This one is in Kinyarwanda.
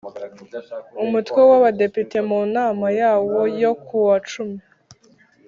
Umutwe w Abadepite mu nama yawo yo ku wa cumi